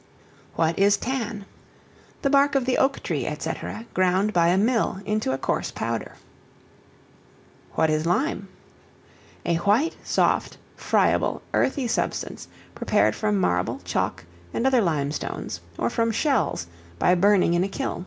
What is Tan? The bark of the oak tree, &c., ground by a mill into a coarse powder. What is Lime? A white, soft, friable, earthy substance, prepared from marble, chalk, and other lime stones, or from shells, by burning in a kiln.